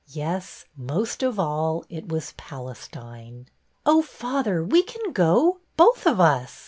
Yes, most of all it was Palestine." ''Oh, father, we can go, both of us!